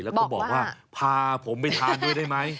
แล้วก็บอกว่าพาผมไปทานด้วยได้ไหม